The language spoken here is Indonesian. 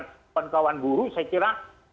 kawan kawan buru saya kira